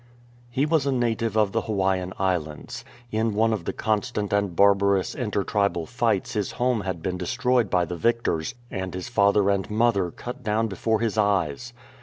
He was a native of the Hawaiian Islands. In one of the constant and barbarous inter tribal fights his home had been destroyed by the victors and his father and mother cut down before his eyes.